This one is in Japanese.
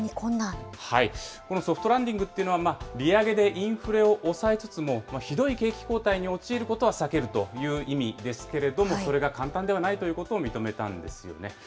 このソフトランディングというのは、利上げでインフレを抑えつつも、ひどい景気後退に陥ることは避けるという意味ですけれども、それが簡単ではないということを認めたんですよね。